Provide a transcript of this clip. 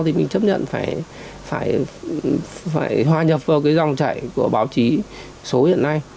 thì mình chấp nhận phải hòa nhập vào dòng chảy của báo chí số hiện nay